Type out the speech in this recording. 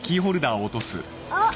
あっ